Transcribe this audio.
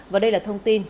và đây là thông tin